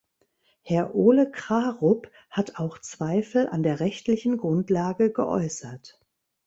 Herr Ole Krarup hat auch Zweifel an der rechtlichen Grundlage geäußert.